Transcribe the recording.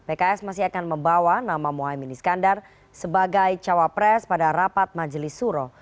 pks masih akan membawa nama mohaimin iskandar sebagai cawapres pada rapat majelis suro